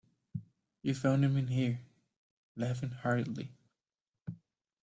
You found him in here, laughing heartily.